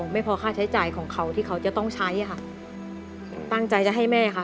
ไม่พอค่าใช้จ่ายของเขาที่เขาจะต้องใช้ค่ะตั้งใจจะให้แม่ค่ะ